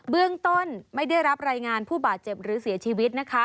เรื่องต้นไม่ได้รับรายงานผู้บาดเจ็บหรือเสียชีวิตนะคะ